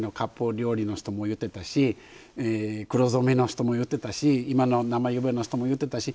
料理の人も言っていたし黒染めの人も言ってたし今の生湯葉の人も言ってたし